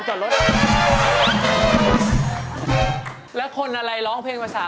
คุณก็ร้องเพลงสากลได้